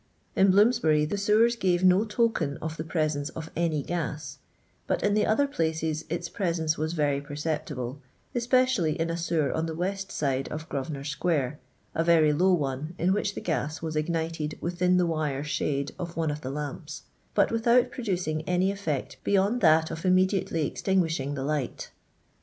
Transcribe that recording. In Bloomsbury the sewers gave no token of the presence of any gas, but in the other places its presence was very perceptible, especially in a sewer on the west side of Grosvenor square, a very low one, in which the gas was ignited within the wire shade of one of the lamps, but without producing any effect beyond that of immediately extinguishing the light.